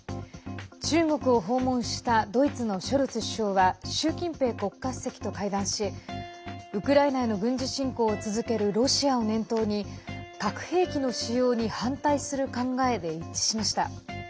中国を訪問したドイツのショルツ首相は習近平国家主席と会談しウクライナへの軍事侵攻を続けるロシアを念頭に核兵器の使用に反対する考えで一致しました。